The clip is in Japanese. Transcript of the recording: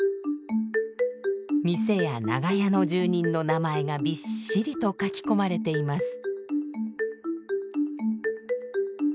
店や長屋の住人の名前がびっしりと書き込まれています。